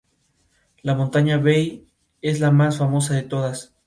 La montaña Bei, es la más famosa de todas.